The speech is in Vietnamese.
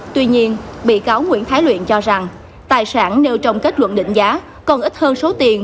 tuy nhiên bị cáo nguyễn thái luyện cho rằng tài sản nêu trong kết luận định giá còn ít hơn số tiền